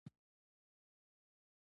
انفلاسیون د قیمتونو عمومي زیاتوالی دی.